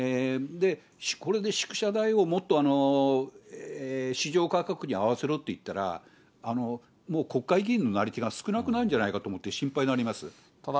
これで宿舎代をもっと市場価格に合わせろっていったら、もう国会議員のなり手が少なくなるんじゃないかと思って心配になただ